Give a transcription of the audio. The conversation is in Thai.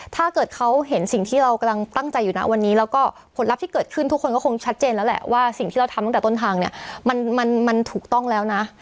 ถ้าเกิดเขาเห็นสิ่งที่เรากำลังตั้งใจอยู่นะวันนี้แล้วก็ผลลัพธ์ที่เกิดขึ้นทุกคนก็คงชัดเจนแล้วแหละว่าสิ่งที่เราทำตั้งแต่ต้นทางเนี่ยมันถูกต้องแล้วนะ